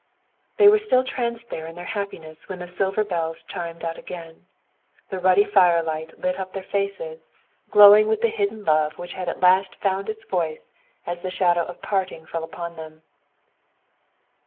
They were still tranced there in their happiness when the silver bells chimed out again. The ruddy fire light lit up their faces, glowing with the hidden love which had at last found its voice as the shadow of parting fell upon them.